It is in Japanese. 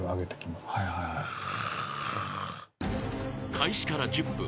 ［開始から１０分。